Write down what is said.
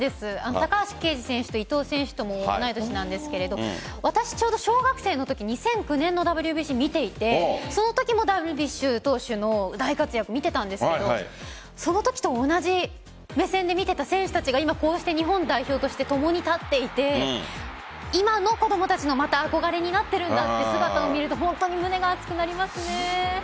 高橋選手と伊藤選手とも同い年なんですけど私ちょうど小学生のとき２００９年、ＷＢＣ見ていてそのときもＷＢＣダルビッシュ投手の大活躍見ていたんですがそのときと同じ目線で見ていた選手たちが今こうして日本代表として共に立っていて今の子供たちの憧れになっているんだという姿を見ると本当に胸が熱くなりますね。